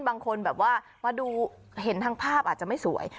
บางคนแบบว่ามาดูเห็นทางภาพอาจจะไม่สวย